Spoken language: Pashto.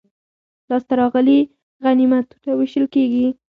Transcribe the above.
لاسته راغلي غنیمتونه وېشل کیږي.